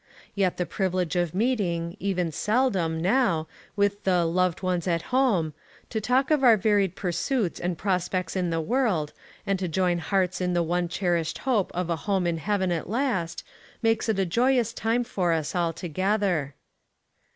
Yet the privilege of meeting, even seldom, now, with the "loved ones at home," to talk of our varied pur suits and prospects in the world, and to join hearts in the one cherished hope of a Home in Heaven at last, makes it a joyous time for us all together.